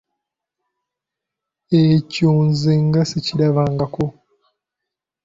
Ekyo nze nga sikirabangako!